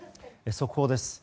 速報です。